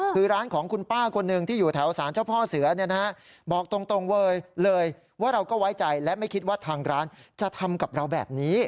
คือร้านของคุณป้าคนหนึ่งที่อยู่แถวสารเจ้าพ่อเสือบอกตรงเวยเลยว่าเราก็ไว้ใจและไม่คิดว่าทางร้านจะทำกับเราแบบนี้